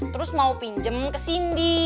terus mau pinjem ke sini